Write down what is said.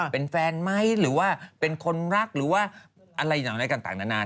เป็นแฟนไหมหรือว่าเป็นคนรักหรือว่าอะไรอย่างไรต่างนานา